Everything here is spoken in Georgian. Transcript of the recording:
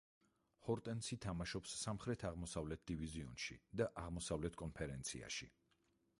ჰორნეტსი თამაშობს სამხრეთ-აღმოსავლეთ დივიზიონში და აღმოსავლეთ კონფერენციაში.